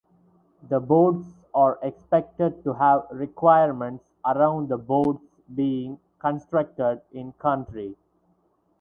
The boats are expected to have requirements around the boats being "constructed in country".